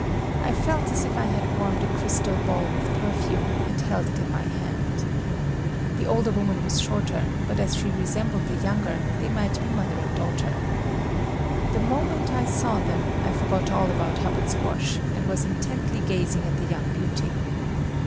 I felt as if I had warmed a crystal ball with perfume and held it in my hand. The older woman was shorter, but as she resembled the younger, they might be mother and daughter. The moment I saw them, I forgot all about Hubbard Squash, and was intently gazing at the young beauty.